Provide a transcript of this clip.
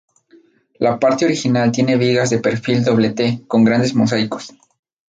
La parte original tiene vigas de perfil doble T con grandes mosaicos.